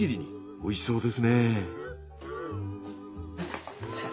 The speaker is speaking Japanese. おいしそうですね。